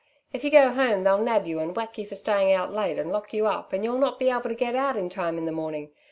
If you go home they'll nab you and whack you for staying out late, and lock you up, and you'll not be able to get out in time in the morning.